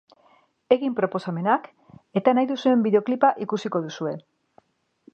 Egin proposamenak eta nahi duzuen bideoklipa ikusiko duzue!